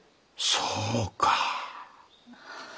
そうか。